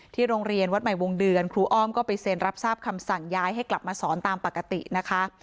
โรงเรียนวัดใหม่วงเดือนครูอ้อมก็ไปเซ็นรับทราบคำสั่งย้ายให้กลับมาสอนตามปกตินะคะ